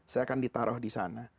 saya akan ditaruh disana